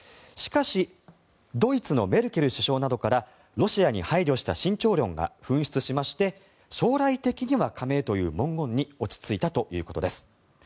しかしドイツのメルケル首相などからロシアに配慮した慎重論が噴出しまして将来的には加盟という文言に落ち着いたということです。